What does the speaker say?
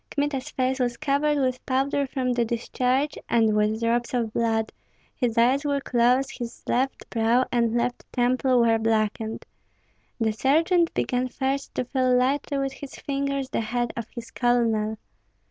Kmita's face was covered with powder from the discharge, and with drops of blood; his eyes were closed, his left brow and left temple were blackened. The sergeant began first to feel lightly with his fingers the head of his colonel.